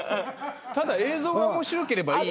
ただ映像が面白ければいい。